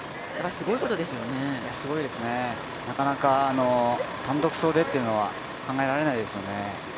すごいですねなかなか単独走でっていうのは考えられないですね。